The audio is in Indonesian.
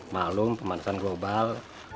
malam pemanasan global